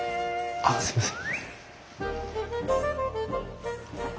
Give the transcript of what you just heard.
あっすいません。